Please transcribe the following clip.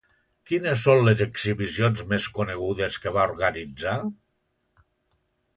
Quines són les exhibicions més conegudes que va organitzar?